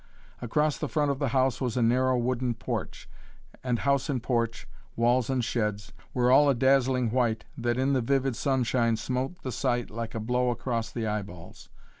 Across the front of the house was a narrow wooden porch, and house and porch, walls and sheds, were all a dazzling white that in the vivid sunshine smote the sight like a blow across the eyeballs.